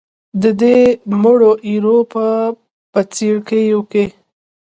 د دې مړو ایرو په بڅرکیو کې.